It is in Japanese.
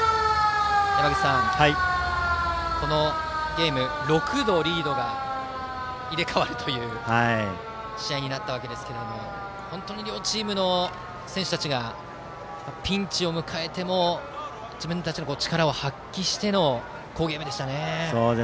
山口さん、このゲーム６度リードが入れ替わるという試合になったわけですが両チームの選手たちがピンチを迎えても自分たちの力を発揮しての好ゲームでしたね。